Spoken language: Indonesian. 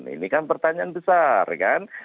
ini kan pertanyaan besar kan